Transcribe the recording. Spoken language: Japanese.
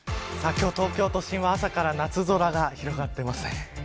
今日、東京都心は朝から夏空が広がっています。